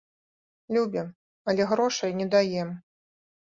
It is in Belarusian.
Любім, але грошай не даем.